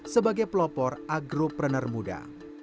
sebagai pelopor agropreneur muda